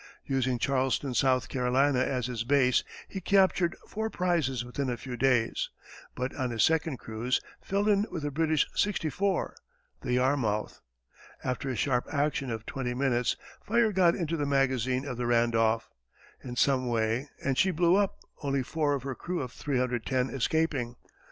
Using Charleston, South Carolina, as his base, he captured four prizes within a few days, but on his second cruise, fell in with a British sixty four, the Yarmouth. After a sharp action of twenty minutes, fire got into the magazine of the Randolph, in some way, and she blew up, only four of her crew of 310 escaping.